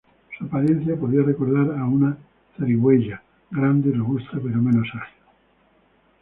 Su apariencia podía recordar a una zarigüeya grande y robusta, pero menos ágil.